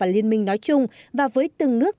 liên minh nói chung và với từng nước